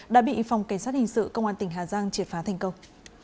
đã bị phòng cảnh sát hình sự công an tỉnh hà giang triệt phá thành công